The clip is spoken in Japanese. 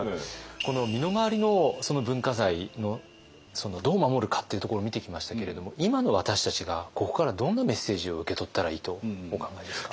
この身の回りの文化財のそのどう守るかっていうところを見てきましたけれども今の私たちがここからどんなメッセージを受け取ったらいいとお考えですか？